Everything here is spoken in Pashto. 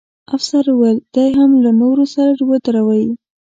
افسر وویل: دی هم له هغه نورو سره ودروئ.